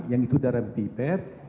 yang itu darah biped